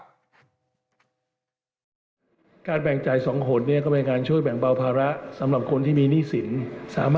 ถ้าใครไม่ชอบก็ใช้แนวทางเดิมได้นะฮะไปฟังเสียงทางนายกรัฐมนตรีกันครับ